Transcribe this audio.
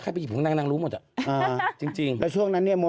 อุ๊ยอันนี้ที่สมัยร้อยดีกว่านี้แหละ